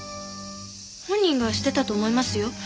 本人がしてたと思いますよ。